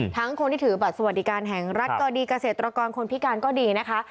คนที่ถือบัตรสวัสดิการแห่งรัฐก็ดีเกษตรกรคนพิการก็ดีนะคะ